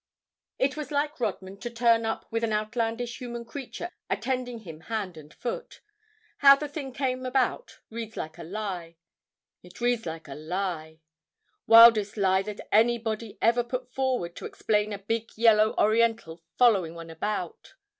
It was like Rodman to turn up with an outlandish human creature attending him hand and foot. How the thing came about reads like a lie; it reads like a lie; the wildest lie that anybody ever put forward to explain a big yellow Oriental following one about.